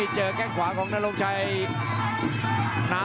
เจอแก้งขวาของนัทรงครัยนะครับ